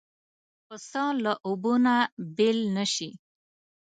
پسه له اوبو نه بېل نه شي.